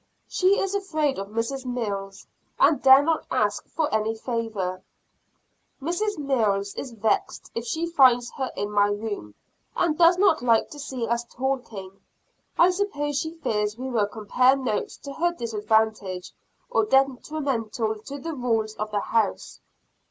She is afraid of Mrs. Mills, and dare not ask for any favor. Mrs. Mills is vexed if she finds her in my room, and does not like to see us talking. I suppose she fears we will compare notes to her disadvantage, or detrimental to the rules of the house.